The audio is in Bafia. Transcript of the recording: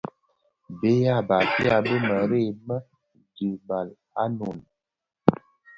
Bë ya Bafia bi mëree më dhibal a Noun.